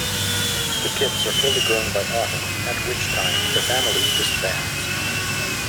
The kits are fully grown by autumn, at which time the family disbands.